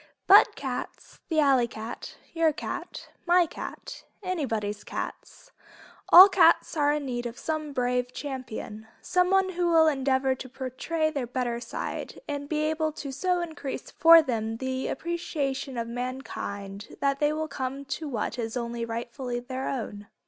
But cats, the alley cat, your cat, my cat, anybody's cat, all cats are in need of some brave champion, someone who will endeavor to portray their better side and be able to so increase for them the appreciation of mankind that they will come to what is only rightfully their own.